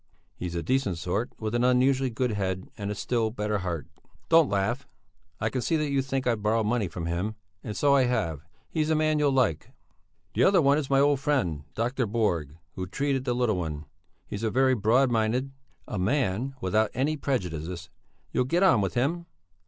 He's a decent sort, with an unusually good head and a still better heart. Don't laugh, I can see that you think I've borrowed money from him and so I have he's a man you'll like. The other one is my old friend, Dr. Borg, who treated the little one. He is very broad minded, a man without any prejudices; you'll get on with him!